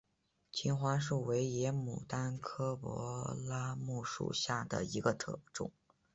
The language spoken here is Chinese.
金花树为野牡丹科柏拉木属下的一个种。